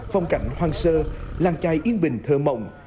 phong cảnh hoang sơ làng chai yên bình thơ mộng